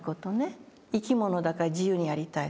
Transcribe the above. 生き物だから自由にやりたい。